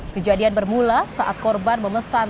kejadian bermula saat korban memesan